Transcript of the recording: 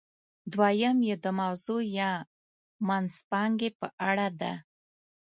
دویم یې د موضوع یا منځپانګې په اړه ده.